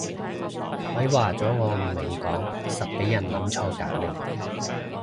咪話咗我唔明講實畀人諗錯隔離